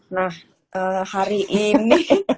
nah hari ini